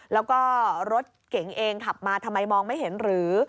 แล้วก็รถเก๋งเองขับมาทำไมมองไม่เห็นหรือ